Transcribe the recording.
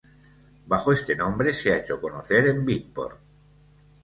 Bajo este nombre, se ha hecho conocer en Beatport.